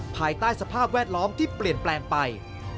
ภายใต้สภาพแวดล้อมที่เปลี่ยนแปลงไป